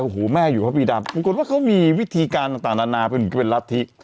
โอ้โหแม่อยู่พระพีดาบอกว่าเขามีวิธีการต่างเป็นรัฐธิ